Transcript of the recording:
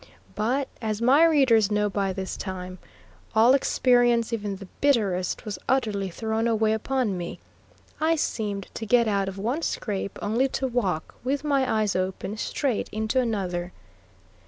But, as my readers know by this time, all experience, even the bitterest, was utterly thrown away upon me; I seemed to get out of one scrape only to walk, with my eyes open, straight into another.